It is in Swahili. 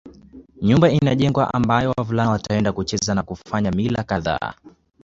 Nyumba inajengwa ambayo wavulana wataenda kucheza na kufanya mila kadhaa